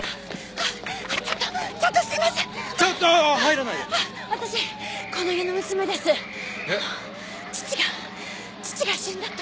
あの父が父が死んだって